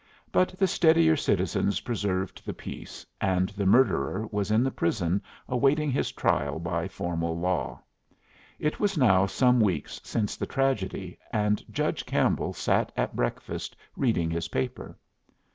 But the steadier citizens preserved the peace, and the murderer was in the prison awaiting his trial by formal law. It was now some weeks since the tragedy, and Judge Campbell sat at breakfast reading his paper.